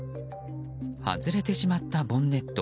外れてしまったボンネット。